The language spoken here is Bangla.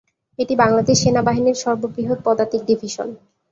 এটি বাংলাদেশ সেনাবাহিনীর সর্ববৃহৎ পদাতিক ডিভিশন।